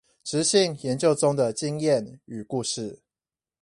質性研究中的經驗與故事